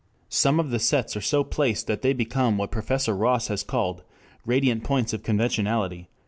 Some of the sets are so placed that they become what Professor Ross has called "radiant points of conventionality."